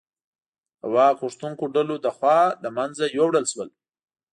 د واک غوښتونکو ډلو لخوا له منځه یووړل شول.